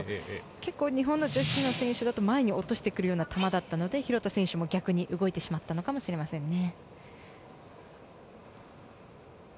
結構、日本の女子の選手だと前に落としてくるような球だったので廣田選手も逆に動いてしまったのかもしれませんね。